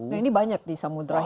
nah ini banyak di samudera